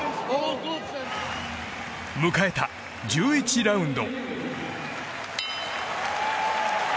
迎えた１１ラウンド。